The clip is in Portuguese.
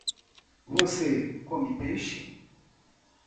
Você come peixe?